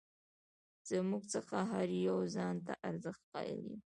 زموږ څخه هر یو ځان ته ارزښت قایل یو.